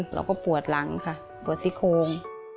เราก็ปวดหลังค่ะปวดซิโคม